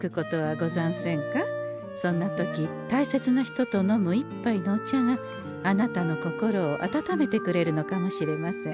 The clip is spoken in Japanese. そんな時たいせつな人と飲む１杯のお茶があなたの心を温めてくれるのかもしれません。